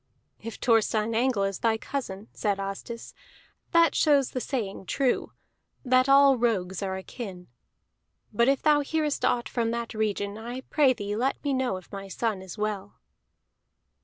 "If Thorstein Angle is thy cousin," said Asdis, "that shows the saying true, that all rogues are akin. But if thou nearest aught from that region, I pray thee let me know if my son is well."